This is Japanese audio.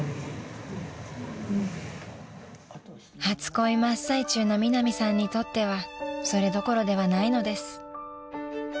［初恋真っ最中のミナミさんにとってはそれどころではないのです］